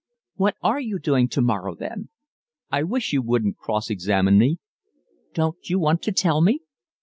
"What are you doing tomorrow then?" "I wish you wouldn't cross examine me." "Don't you want to tell me?"